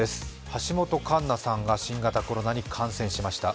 橋本環奈さんが新型コロナに感染しました。